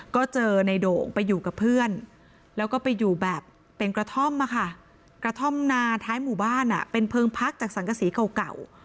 ก็เจอในโด่งไปอยู่กับเพื่อนแล้วก็ไปอยู่แบบเป็นกระท่อมกระท่อมนาท้ายหมู่บ้านเป็นเพลิงพักจากสังกษีเก่า